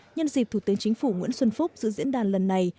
nhân dịp thủ tướng chính phủ nguyễn xuân phúc dự diễn đàn lần này